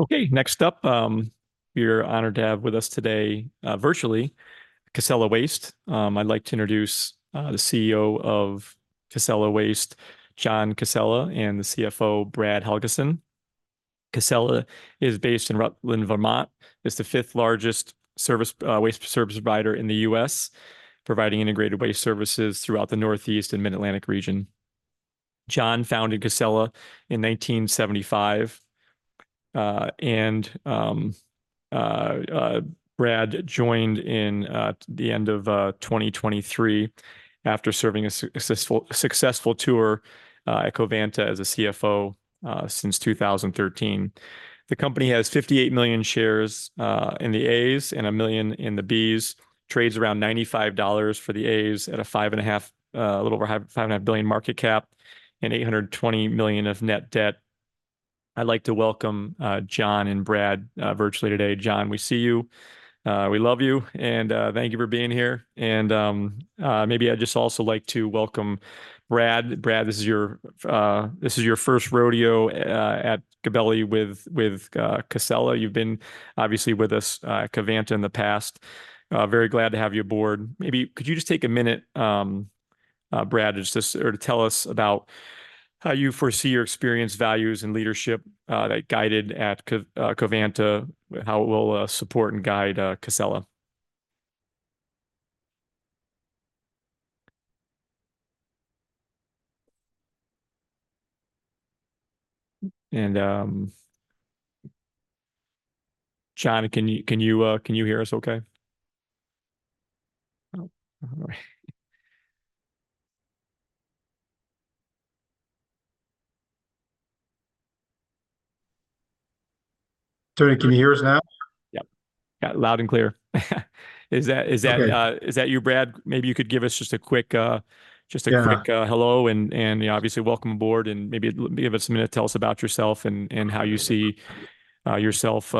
Okay, next up, we're honored to have with us today, virtually, Casella Waste. I'd like to introduce the CEO of Casella Waste, John Casella, and the CFO, Brad Helgeson. Casella is based in Rutland, Vermont, is the fifth largest waste service provider in the U.S., providing integrated waste services throughout the Northeast and Mid-Atlantic region. John Casella founded Casella in 1975, and Brad Helgeson joined at the end of 2023 after serving a successful tour at Covanta as a CFO since 2013. The company has 58 million shares in the A's and 1 million in the B's, trades around $95 for the A's at a little over $5.5 billion market cap, and $820 million of net debt. I'd like to welcome John Casella and Brad Helgeson virtually today. John Casella, we see you. We love you, and thank you for being here. Maybe I'd just also like to welcome Brad Helgeson. Brad Helgeson, this is your first rodeo at Gabelli with Casella. You've been obviously with us at Covanta in the past. Very glad to have you aboard. Maybe could you just take a minute, Brad Helgeson, to tell us about how you foresee your experience, values, and leadership that guided at Covanta, how it will support and guide Casella. John Casella, can you hear us okay? All right. Tony, can you hear us now? Yep. Yeah, loud and clear. Is that you, Brad Helgeson? Maybe you could give us just a quick hello and, you know, obviously welcome aboard and maybe give us a minute to tell us about yourself and how you see yourself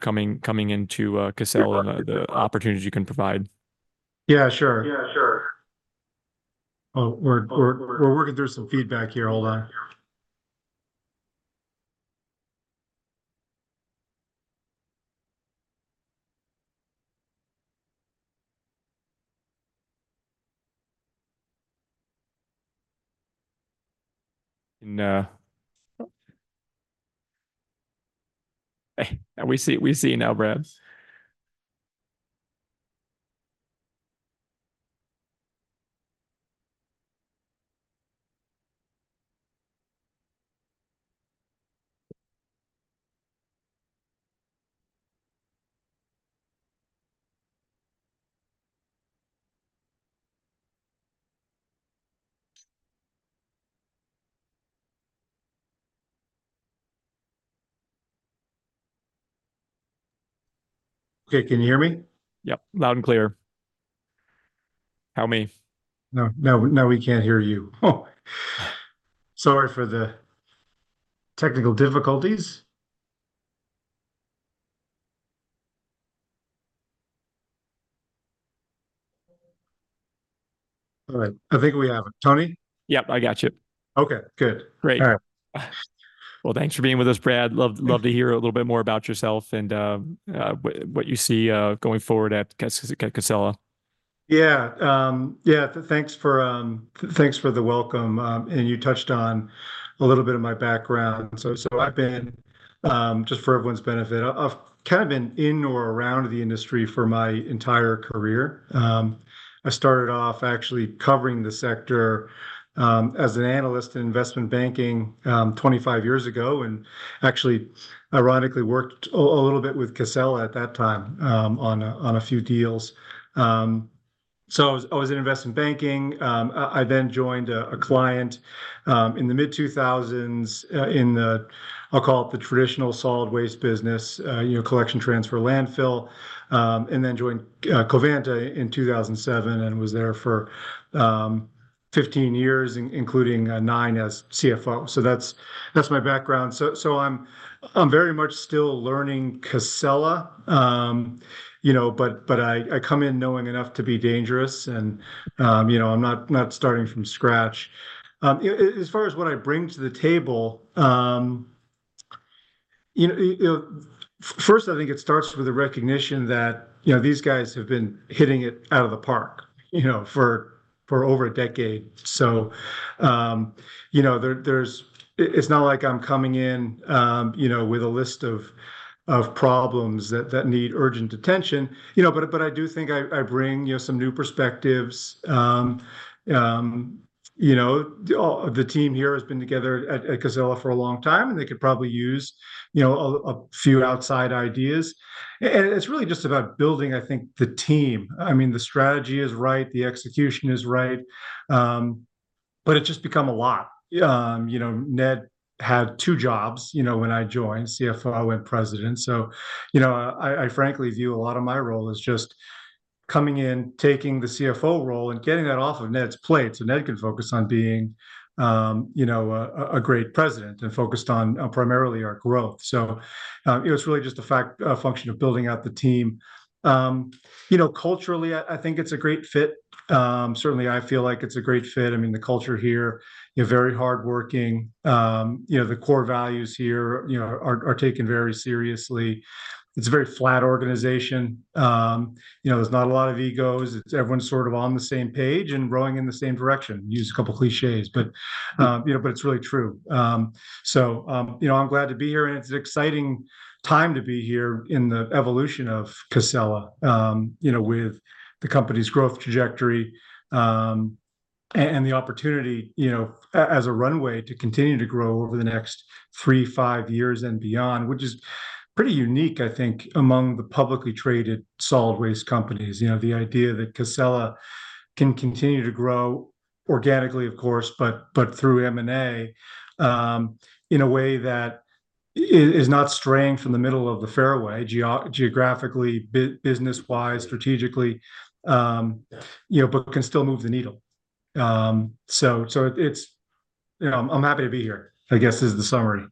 coming into Casella and the opportunities you can provide. Yeah, sure. Yeah, sure. Oh, we're working through some feedback here. Hold on. Hey, we see you now, Brad Helgeson. Okay, can you hear me? Yep, loud and clear. Hear me? No, no, no, we can't hear you. Sorry for the technical difficulties. All right. I think we have it. Tony? Yep, I got you. Okay, good. Great. All right. Well, thanks for being with us, Brad Helgeson. Love, love to hear a little bit more about yourself and, what, what you see, going forward at Casella. Yeah, yeah, thanks for the welcome. And you touched on a little bit of my background. So, just for everyone's benefit, I've kind of been in or around the industry for my entire career. I started off actually covering the sector as an analyst in investment banking 25 years ago and actually ironically worked a little bit with Casella at that time on a few deals. So I was in investment banking. I then joined a client in the mid-2000s in the, I'll call it the traditional solid waste business, you know, collection transfer landfill, and then joined Covanta in 2007 and was there for 15 years, including nine as CFO. So that's my background. So, I'm very much still learning Casella, you know, but I come in knowing enough to be dangerous and, you know, I'm not starting from scratch. You know, as far as what I bring to the table, you know, first, I think it starts with a recognition that, you know, these guys have been hitting it out of the park, you know, for over a decade. So, you know, it's not like I'm coming in, you know, with a list of problems that need urgent attention, you know, but I do think I bring, you know, some new perspectives. You know, all of the team here has been together at Casella for a long time and they could probably use, you know, a few outside ideas. It's really just about building, I think, the team. I mean, the strategy is right, the execution is right. But it's just become a lot. You know, Ned Coletta had two jobs, you know, when I joined, CFO and president. So, you know, I frankly view a lot of my role as just coming in, taking the CFO role and getting that off of Ned Coletta plate so Ned Coletta can focus on being, you know, a great president and focused on primarily our growth. So, it was really just a function of building out the team. You know, culturally, I think it's a great fit. Certainly I feel like it's a great fit. I mean, the culture here, you know, very hardworking. You know, the core values here, you know, are taken very seriously. It's a very flat organization. You know, there's not a lot of egos. It's everyone's sort of on the same page and rowing in the same direction. Use a couple of clichés, but, you know, but it's really true. So, you know, I'm glad to be here and it's an exciting time to be here in the evolution of Casella, you know, with the company's growth trajectory, and, and the opportunity, you know, as a runway to continue to grow over the next 3 years-5 years and beyond, which is pretty unique, I think, among the publicly traded solid waste companies. You know, the idea that Casella can continue to grow organically, of course, but, but through M&A, in a way that is not straying from the middle of the fairway geographically, business-wise, strategically, you know, but can still move the needle. So it's, you know, I'm happy to be here, I guess, is the summary.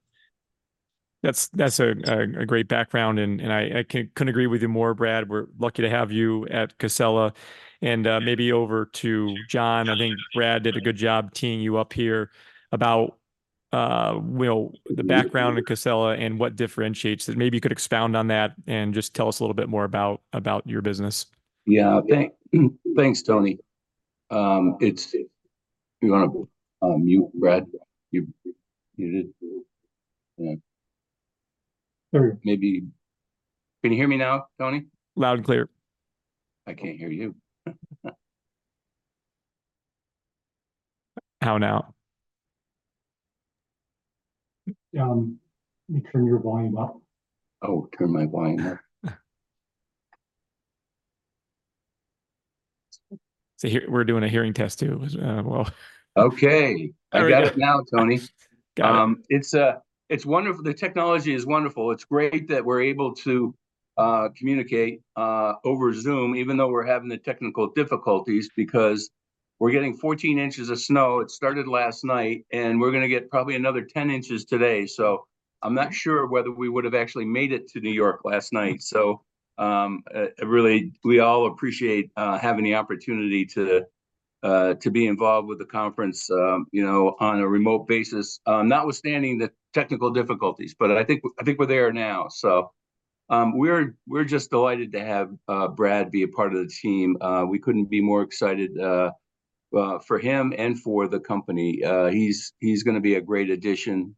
That's a great background and I couldn't agree with you more, Brad Helgeson. We're lucky to have you at Casella and maybe over to John Casella. I think Brad Helgeson did a good job teeing you up here about, you know, the background in Casella and what differentiates it. Maybe you could expound on that and just tell us a little bit more about your business. Yeah, thanks, Tony. It's, you wanna mute, Brad Helgeson? You, you did? Yeah. Sorry. Maybe. Can you hear me now, Tony? Loud and clear. I can't hear you. How now? Let me turn your volume up. Oh, turn my volume up. Here, we're doing a hearing test too, well. Okay. I got it now, Tony. Got it. It's, it's wonderful. The technology is wonderful. It's great that we're able to communicate over Zoom, even though we're having the technical difficulties because we're getting 14 in of snow. It started last night and we're gonna get probably another 10 in today. So I'm not sure whether we would have actually made it to New York last night. So, it really, we all appreciate having the opportunity to be involved with the conference, you know, on a remote basis, notwithstanding the technical difficulties, but I think, I think we're there now. So, we're just delighted to have Brad Helgeson be a part of the team. We couldn't be more excited for him and for the company. He's gonna be a great addition.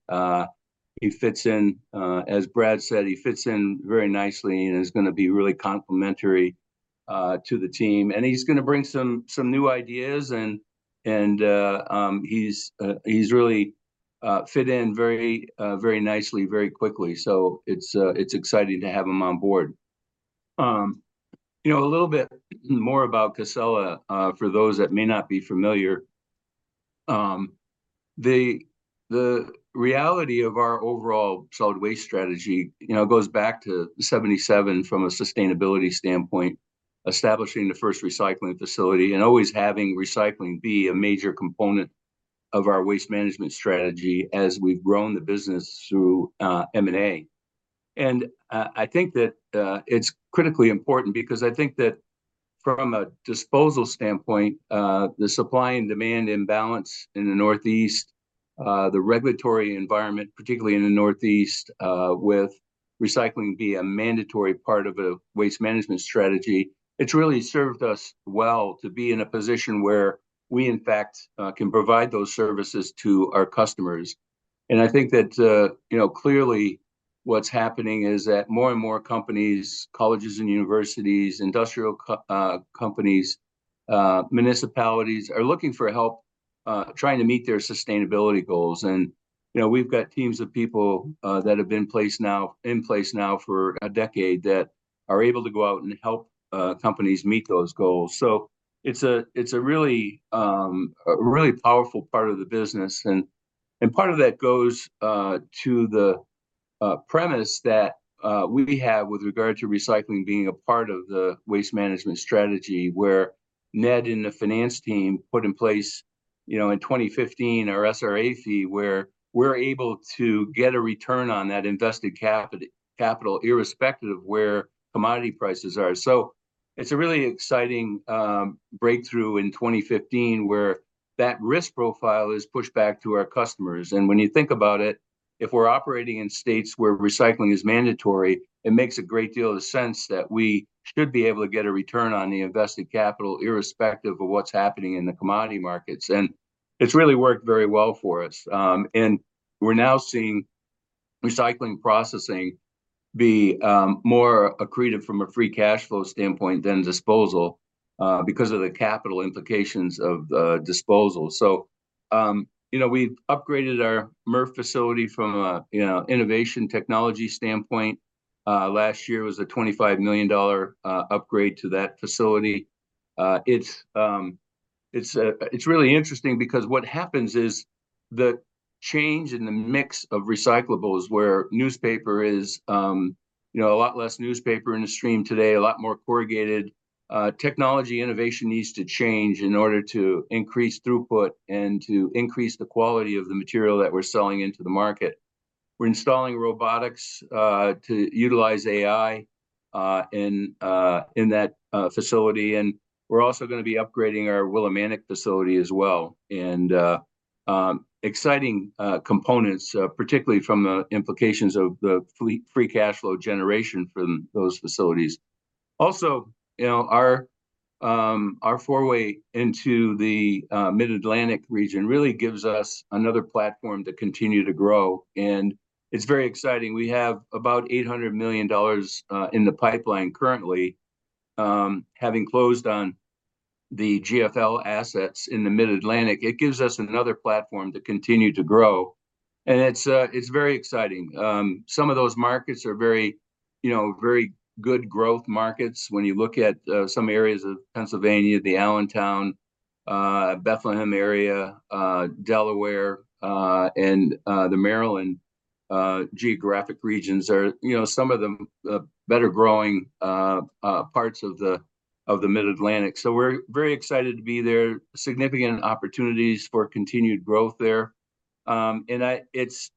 He fits in, as Brad Helgeson said, he fits in very nicely and is gonna be really complimentary to the team. And he's gonna bring some new ideas and he's really fit in very nicely, very quickly. So it's exciting to have him on board. You know, a little bit more about Casella for those that may not be familiar. The reality of our overall solid waste strategy, you know, goes back to 1977 from a sustainability standpoint, establishing the first recycling facility and always having recycling be a major component of our waste management strategy as we've grown the business through M&A. I think that it's critically important because I think that from a disposal standpoint, the supply and demand imbalance in the Northeast, the regulatory environment, particularly in the Northeast, with recycling being a mandatory part of a waste management strategy, it's really served us well to be in a position where we, in fact, can provide those services to our customers. And I think that, you know, clearly what's happening is that more and more companies, colleges and universities, industrial companies, municipalities are looking for help, trying to meet their sustainability goals. And, you know, we've got teams of people that have been in place now for a decade that are able to go out and help companies meet those goals. So it's a really powerful part of the business. And part of that goes to the premise that we have with regard to recycling being a part of the waste management strategy where Ned Coletta and the finance team put in place, you know, in 2015, our (SRA) fee where we're able to get a return on that invested capital irrespective of where commodity prices are. So it's a really exciting breakthrough in 2015 where that risk profile is pushed back to our customers. And when you think about it, if we're operating in states where recycling is mandatory, it makes a great deal of sense that we should be able to get a return on the invested capital irrespective of what's happening in the commodity markets. And it's really worked very well for us. And we're now seeing recycling processing be more accretive from a free cash flow standpoint than disposal, because of the capital implications of disposal. So, you know, we've upgraded our MRF facility from a, you know, innovation technology standpoint. Last year was a $25 million upgrade to that facility. It's really interesting because what happens is the change in the mix of recyclables where newspaper is, you know, a lot less newspaper in the stream today, a lot more corrugated. Technology innovation needs to change in order to increase throughput and to increase the quality of the material that we're selling into the market. We're installing robotics to utilize AI in that facility. And we're also gonna be upgrading our Willimantic facility as well. And exciting components, particularly from the implications of the free cash flow generation for those facilities. Also, you know, our foray into the Mid-Atlantic region really gives us another platform to continue to grow. And it's very exciting. We have about $800 million in the pipeline currently, having closed on the GFL assets in the Mid-Atlantic. It gives us another platform to continue to grow. And it's very exciting. Some of those markets are very, you know, very good growth markets when you look at, some areas of Pennsylvania, the Allentown, Bethlehem area, Delaware, and, the Maryland, geographic regions are, you know, some of the, the better growing, parts of the, of the Mid-Atlantic. So we're very excited to be there. Significant opportunities for continued growth there. And I, it's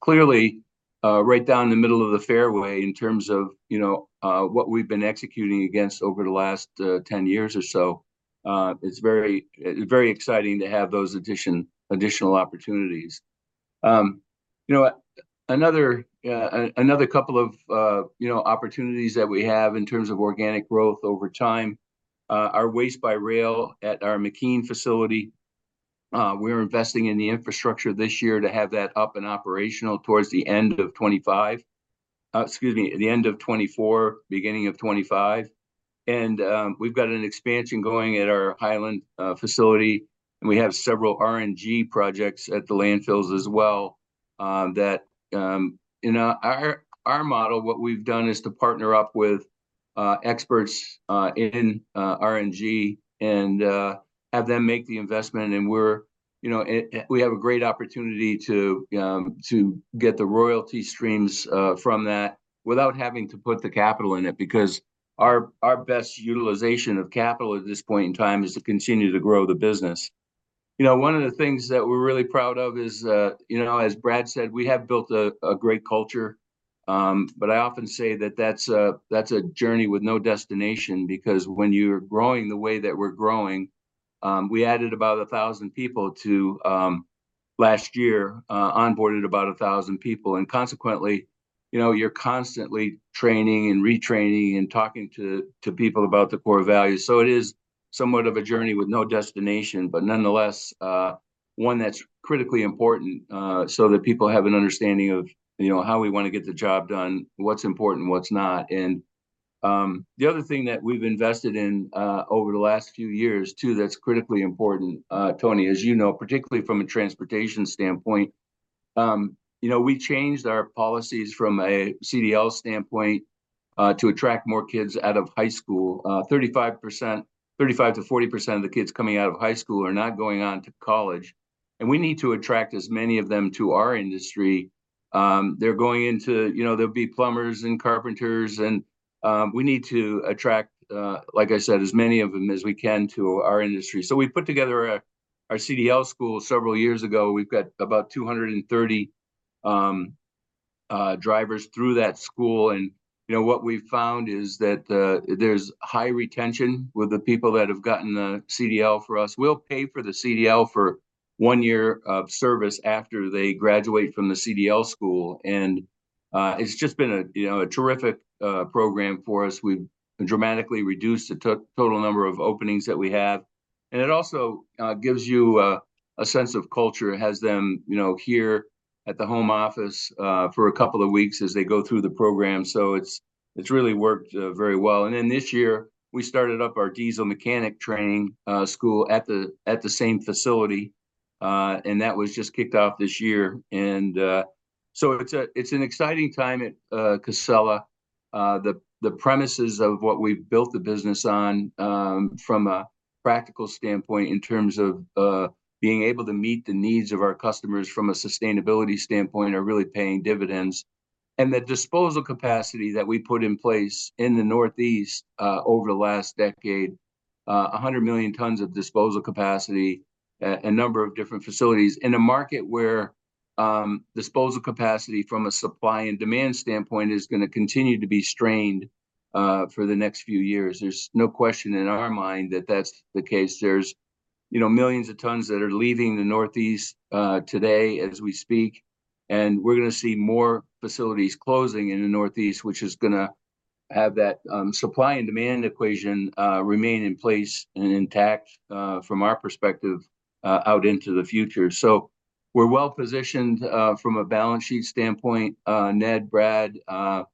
clearly right down the middle of the fairway in terms of, you know, what we've been executing against over the last 10 years or so. It's very exciting to have those additional opportunities. You know, another couple of, you know, opportunities that we have in terms of organic growth over time, are waste by rail at our McKean facility. We're investing in the infrastructure this year to have that up and operational towards the end of 2025. Excuse me, the end of 2024, beginning of 2025. We've got an expansion going at our Hyland facility. We have several RNG projects at the landfills as well, that in our model, what we've done is to partner up with experts in RNG and have them make the investment. We're, you know, we have a great opportunity to get the royalty streams from that without having to put the capital in it because our best utilization of capital at this point in time is to continue to grow the business. You know, one of the things that we're really proud of is, you know, as Brad Helgeson said, we have built a great culture. But I often say that that's a journey with no destination because when you're growing the way that we're growing, we added about 1,000 people to last year, onboarded about 1,000 people. And consequently, you know, you're constantly training and retraining and talking to people about the core values. So it is somewhat of a journey with no destination, but nonetheless, one that's critically important, so that people have an understanding of, you know, how we wanna get the job done, what's important, what's not. And the other thing that we've invested in over the last few years too that's critically important, Tony, as you know, particularly from a transportation standpoint, you know, we changed our policies from a CDL standpoint to attract more kids out of high school. 35%, 35%-40% of the kids coming out of high school are not going on to college. We need to attract as many of them to our industry. They're going into, you know, there'll be plumbers and carpenters. We need to attract, like I said, as many of them as we can to our industry. We put together our, our CDL school several years ago. We've got about 230 drivers through that school. You know, what we've found is that there's high retention with the people that have gotten the CDL for us. We'll pay for the CDL for one year of service after they graduate from the CDL school. It's just been a, you know, a terrific program for us. We've dramatically reduced the total, total number of openings that we have. It also gives you a sense of culture, has them, you know, here at the home office, for a couple of weeks as they go through the program. So it's really worked very well. And then this year, we started up our diesel mechanic training school at the same facility. And that was just kicked off this year. And so it's an exciting time at Casella. The premises of what we've built the business on, from a practical standpoint in terms of being able to meet the needs of our customers from a sustainability standpoint, are really paying dividends. And the disposal capacity that we put in place in the Northeast, over the last decade, 100 million tons of disposal capacity, a number of different facilities in a market where disposal capacity from a supply and demand standpoint is gonna continue to be strained, for the next few years. There's no question in our mind that that's the case. There's, you know, millions of tons that are leaving the Northeast today as we speak. We're gonna see more facilities closing in the Northeast, which is gonna have that supply and demand equation remain in place and intact, from our perspective, out into the future. So we're well positioned, from a balance sheet standpoint. Ned Coletta, Brad Helgeson,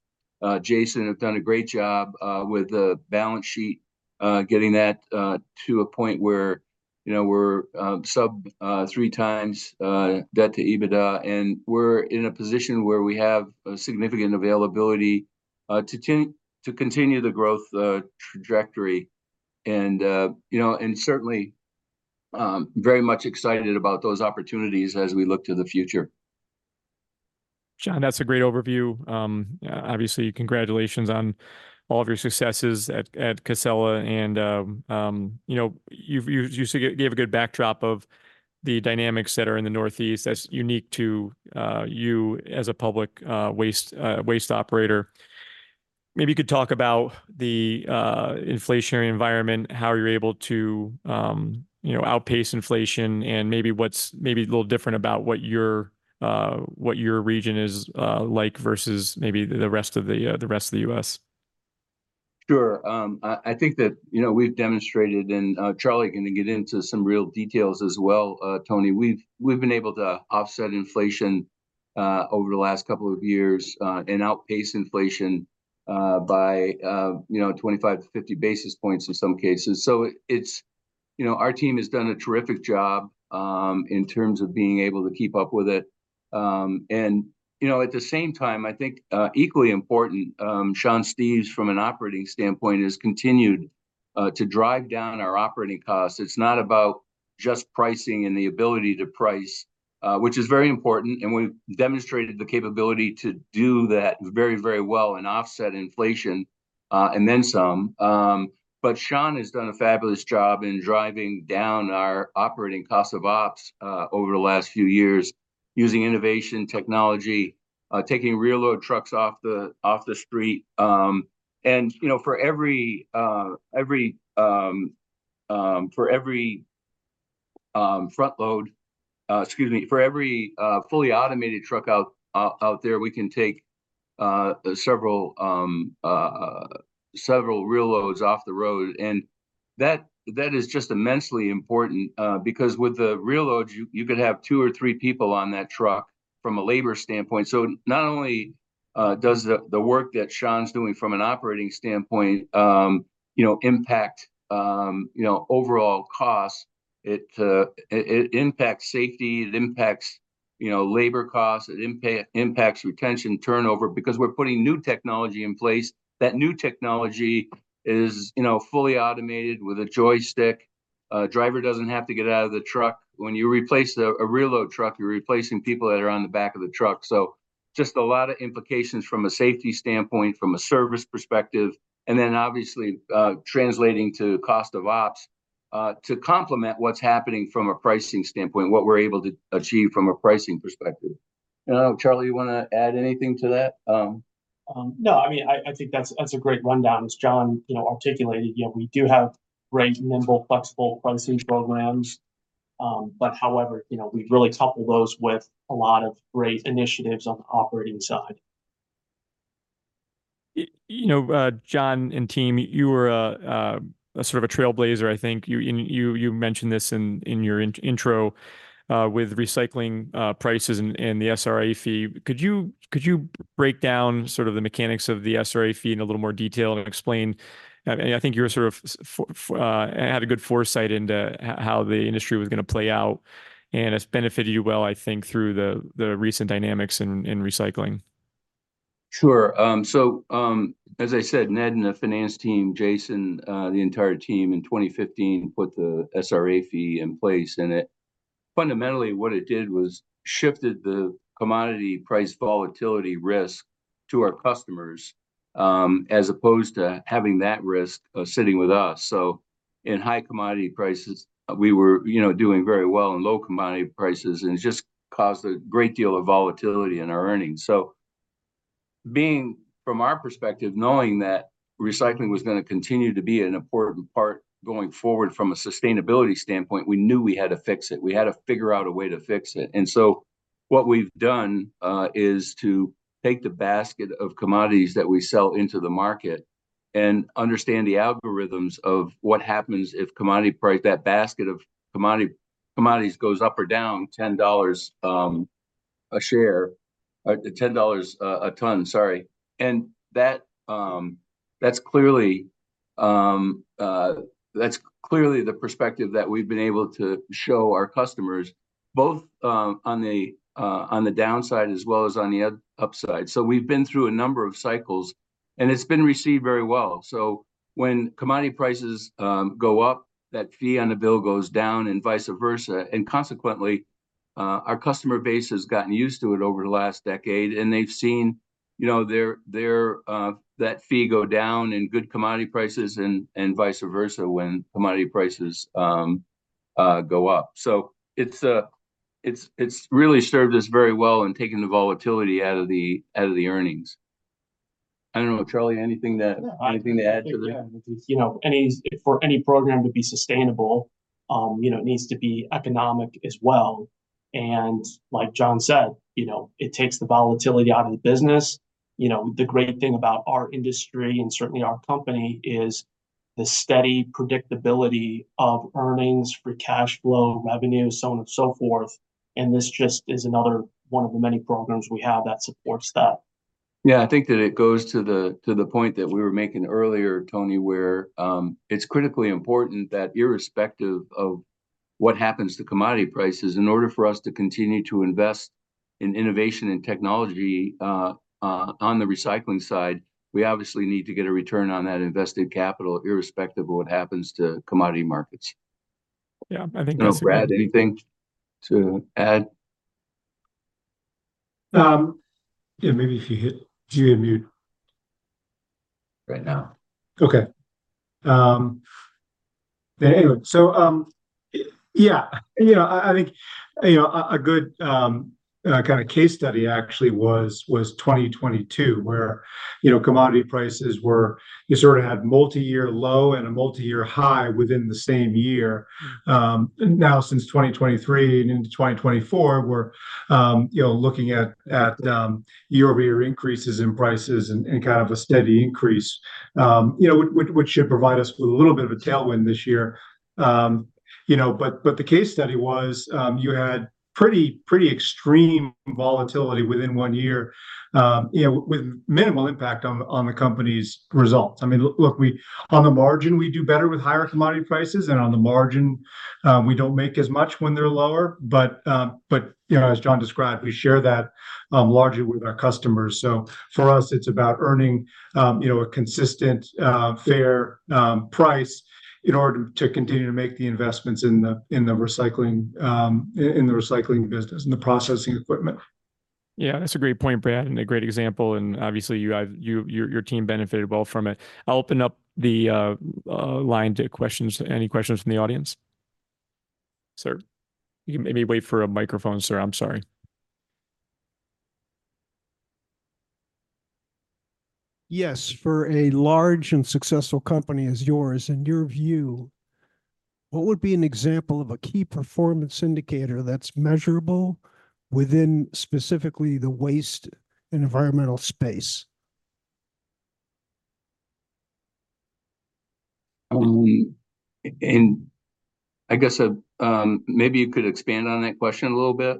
Jason Mead have done a great job with the balance sheet, getting that to a point where, you know, we're sub-3x debt to EBITDA. We're in a position where we have a significant availability to continue the growth trajectory. You know, we're certainly very much excited about those opportunities as we look to the future. John Casella, that's a great overview. Obviously, congratulations on all of your successes at Casella. You know, you've used to give a good backdrop of the dynamics that are in the Northeast that's unique to you as a public waste operator. Maybe you could talk about the inflationary environment, how you're able to, you know, outpace inflation and maybe what's a little different about what your region is like versus maybe the rest of the U.S. Sure. I, I think that, you know, we've demonstrated and, Charlie Wohlhuter can get into some real details as well, Tony. We've, we've been able to offset inflation over the last couple of years and outpace inflation by, you know, 25-50 basis points in some cases. So it's, you know, our team has done a terrific job in terms of being able to keep up with it. And, you know, at the same time, I think, equally important, Sean Steves from an operating standpoint has continued to drive down our operating costs. It's not about just pricing and the ability to price, which is very important. And we've demonstrated the capability to do that very, very well and offset inflation, and then some. But Sean Steves has done a fabulous job in driving down our operating costs of ops over the last few years using innovation, technology, taking rear-load trucks off the street. And you know, for every front load, excuse me, for every fully automated truck out there, we can take several rear loads off the road. And that is just immensely important, because with the rear loads, you could have two or three people on that truck from a labor standpoint. So not only does the work that Sean Steves's doing from an operating standpoint, you know, impact, you know, overall costs, it impacts safety, it impacts, you know, labor costs, it impacts retention, turnover, because we're putting new technology in place. That new technology is, you know, fully automated with a joystick. A driver doesn't have to get out of the truck. When you replace a rear-load truck, you're replacing people that are on the back of the truck. So just a lot of implications from a safety standpoint, from a service perspective, and then obviously, translating to cost of ops, to complement what's happening from a pricing standpoint, what we're able to achieve from a pricing perspective. You know, Charlie Wohlhuter, you wanna add anything to that? No, I mean, I, I think that's, that's a great rundown. As John Casella, you know, articulated, yeah, we do have great, nimble, flexible pricing programs. But however, you know, we really couple those with a lot of great initiatives on the operating side. You know, John Casella and team, you were a sort of a trailblazer, I think. You and you mentioned this in your intro, with recycling prices and the (SRA) fee. Could you break down sort of the mechanics of the (SRA) fee in a little more detail and explain? I think you were sort of had a good foresight into how the industry was gonna play out and it's benefited you well, I think, through the recent dynamics in recycling. Sure. So, as I said, Ned Coletta and the finance team, Jason Mead, the entire team in 2015 put the (SRA) fee in place. It fundamentally what it did was shifted the commodity price volatility risk to our customers, as opposed to having that risk, sitting with us. In high commodity prices, we were, you know, doing very well in low commodity prices. It just caused a great deal of volatility in our earnings. Being from our perspective, knowing that recycling was gonna continue to be an important part going forward from a sustainability standpoint, we knew we had to fix it. We had to figure out a way to fix it. What we've done is to take the basket of commodities that we sell into the market and understand the algorithms of what happens if commodity price, that basket of commodity, commodities goes up or down $10 a share or $10 a ton, sorry. And that, that's clearly, that's clearly the perspective that we've been able to show our customers, both on the downside as well as on the upside. So we've been through a number of cycles, and it's been received very well. So when commodity prices go up, that fee on a bill goes down and vice versa. And consequently, our customer base has gotten used to it over the last decade, and they've seen, you know, their, their, that fee go down in good commodity prices and, and vice versa when commodity prices go up. So it's really served us very well in taking the volatility out of the earnings. I don't know, Charlie Wohlhuter, anything to add to that? Yeah, I think, you know, any, for any program to be sustainable, you know, it needs to be economic as well. And like John Casella said, you know, it takes the volatility out of the business. You know, the great thing about our industry and certainly our company is the steady predictability of earnings for cash flow, revenue, so on and so forth. And this just is another one of the many programs we have that supports that. Yeah, I think that it goes to the, to the point that we were making earlier, Tony, where it's critically important that irrespective of what happens to commodity prices, in order for us to continue to invest in innovation and technology on the recycling side, we obviously need to get a return on that invested capital irrespective of what happens to commodity markets. Yeah, I think that's. I don't know, Brad Helgeson, anything to add? Yeah, maybe if you hit, do you hit mute? Right now. Okay. Then anyway, so, yeah, you know, I think, you know, a good kind of case study actually was 2022 where, you know, commodity prices were, you sort of had multi-year low and a multi-year high within the same year. Now since 2023 and into 2024, we're, you know, looking at year-over-year increases in prices and kind of a steady increase, you know, which should provide us with a little bit of a tailwind this year. You know, but the case study was, you had pretty extreme volatility within one year, you know, with minimal impact on the company's results. I mean, look, we, on the margin, we do better with higher commodity prices, and on the margin, we don't make as much when they're lower. But, you know, as John Casella described, we share that, largely with our customers. So for us, it's about earning, you know, a consistent, fair price in order to continue to make the investments in the recycling business and the processing equipment. Yeah, that's a great point, Brad Helgeson, and a great example. Obviously, you have, your team benefited well from it. I'll open up the line to questions. Any questions from the audience? Sir, you can maybe wait for a microphone, sir. I'm sorry. Yes, for a large and successful company as yours, in your view, what would be an example of a key performance indicator that's measurable within specifically the waste and environmental space? I guess maybe you could expand on that question a little bit.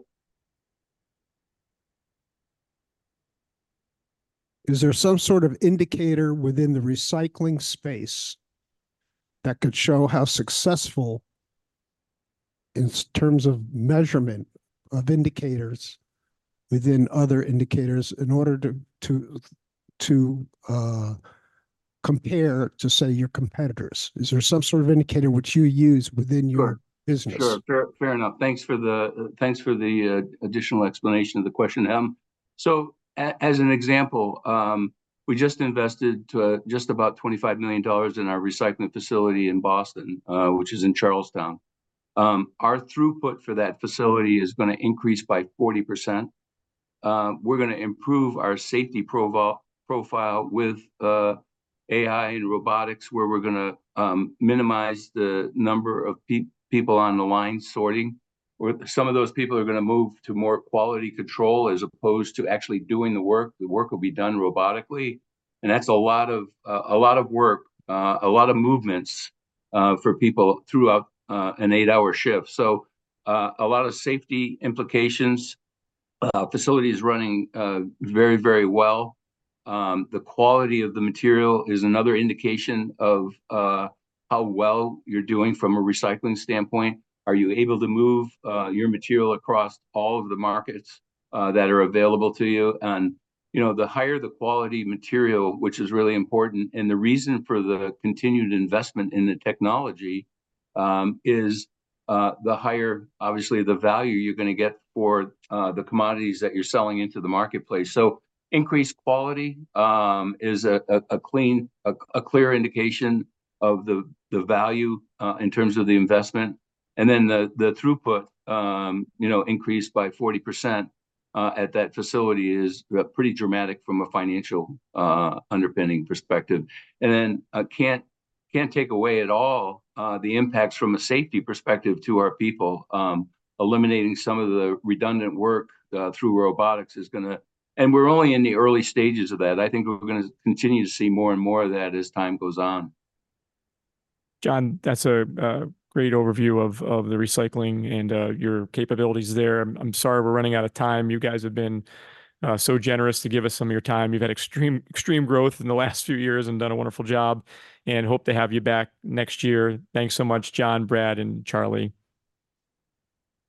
Is there some sort of indicator within the recycling space that could show how successful in terms of measurement of indicators within other indicators in order to compare to, say, your competitors? Is there some sort of indicator which you use within your business? Sure, sure, fair, fair enough. Thanks for the additional explanation of the question. So as an example, we just invested just about $25 million in our recycling facility in Boston, which is in Charlestown. Our throughput for that facility is gonna increase by 40%. We're gonna improve our safety profile with AI and robotics where we're gonna minimize the number of people on the line sorting. Or some of those people are gonna move to more quality control as opposed to actually doing the work. The work will be done robotically. And that's a lot of work, a lot of movements, for people throughout an eight-hour shift. So a lot of safety implications. Facility is running very, very well. The quality of the material is another indication of how well you're doing from a recycling standpoint. Are you able to move your material across all of the markets that are available to you? And, you know, the higher the quality material, which is really important, and the reason for the continued investment in the technology, is the higher, obviously, the value you're gonna get for the commodities that you're selling into the marketplace. So increased quality is a clear indication of the value in terms of the investment. And then the throughput, you know, increased by 40% at that facility is pretty dramatic from a financial underpinning perspective. And then I can't take away at all the impacts from a safety perspective to our people. Eliminating some of the redundant work through robotics is gonna, and we're only in the early stages of that. I think we're gonna continue to see more and more of that as time goes on. John Casella, that's a great overview of the recycling and your capabilities there. I'm sorry we're running out of time. You guys have been so generous to give us some of your time. You've had extreme growth in the last few years and done a wonderful job. And hope to have you back next year. Thanks so much, John Casella, Brad Helgeson, and Charlie Wohlhuter.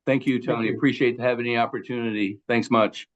Thank you, Tony. Appreciate having the opportunity. Thanks much. Great.